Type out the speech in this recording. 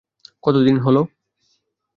কত দিন হলো?